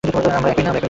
আমরা একই না।